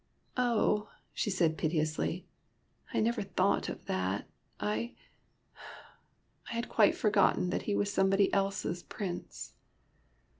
" Oh," she said piteously, " I never thought of that. I — I had quite forgotten that he was somebody else's Prince."